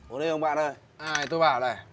ôi đê ông bạn ơi tôi bảo này